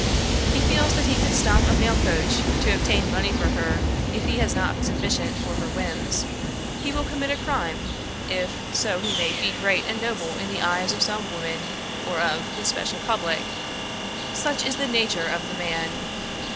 He feels that he could stop a mail coach to obtain money for her if he has not sufficient for her whims. He will commit a crime if so he may be great and noble in the eyes of some woman or of his special public; such is the nature of the man.